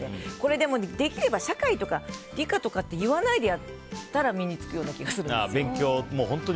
でも、できれば社会とか理科とか言わないでやったら身に付くような気がするんです。